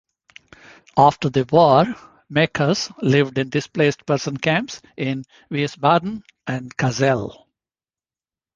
After the war, Mekas lived in displaced person camps in Wiesbaden and Kassel.